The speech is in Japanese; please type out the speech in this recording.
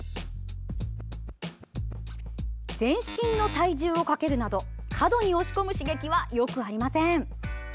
全身の体重をかけるなど過度に押し込む刺激はよくありません。